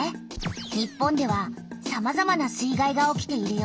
日本ではさまざまな水害が起きているよ。